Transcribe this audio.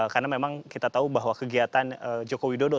karena memang kita tahu bahwa kegiatan joko widodo